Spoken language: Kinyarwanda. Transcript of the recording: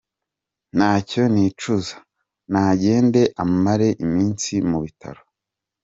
Nta cyo nicuza ! Nagende amare iminsi mu bitaro.